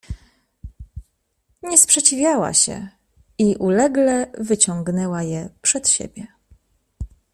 "Nie sprzeciwiała się i ulegle wyciągała je przed siebie."